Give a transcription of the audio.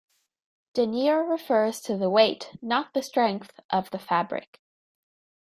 Denier refers to the weight, not the strength, of the fabric.